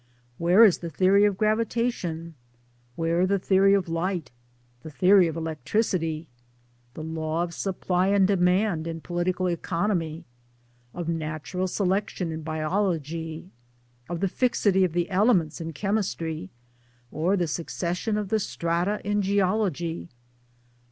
where is the theory of gravitation, where the theory of light, the theory of electricity? the law of supply and demand in Political Economy, of Natural Selection in Biology? of the fixity of the Elements in Chemistry, or the succession of the strata in Geology?